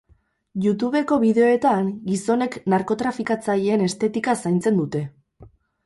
Youtubeko bideoetan gizonek narkotrafikatzaileen estetika zaintzen dute.